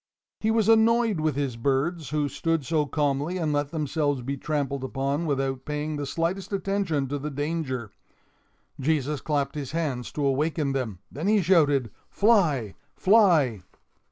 He was annoyed with his birds, who stood so calmly and let themselves be trampled upon without paying the slightest attention to the danger. Jesus clapped his hands to awaken them; then he shouted: "Fly, fly!"